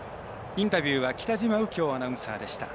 インタビューは北嶋右京アナウンサーでした。